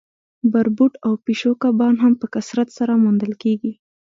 بربوټ او پیشو کبان هم په کثرت سره موندل کیږي